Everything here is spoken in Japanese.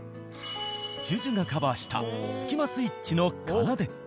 ＪＵＪＵがカバーしたスキマスイッチの『奏』。